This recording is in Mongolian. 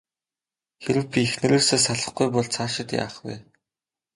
Хэрэв би эхнэрээсээ салахгүй бол цаашид яах вэ?